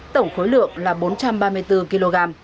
tổng khối lượng là bốn trăm ba mươi bốn kg